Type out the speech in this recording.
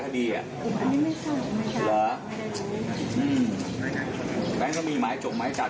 เมื่อวานแบงค์อยู่ไหนเมื่อวาน